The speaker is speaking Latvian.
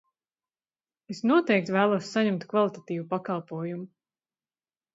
Es noteikti vēlos saņemt kvalitatīvu pakalpojumu!